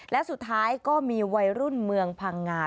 และสุดท้ายก็มีวัยรุ่นเมืองพังงา